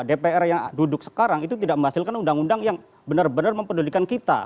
dpr yang duduk sekarang itu tidak menghasilkan undang undang yang benar benar mempedulikan kita